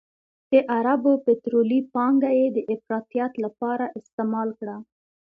د عربو پطرولي پانګه یې د افراطیت لپاره استعمال کړه.